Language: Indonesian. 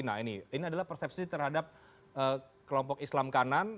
nah ini adalah persepsi terhadap kelompok islam kanan